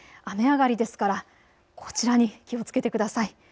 雨上がりですからこちらに気をつけてください。